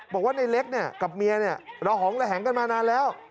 บอกว่าในเล็กเนี่ยกับเมียเนี่ยระหองระแหงกันมานานแล้ว